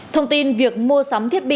thông tin việc mua sắm thiết bị